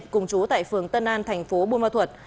cùng chú tại phường tân an thành phố buôn ma thuật